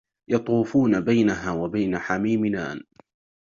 يطوفون بينها وبين حميم آن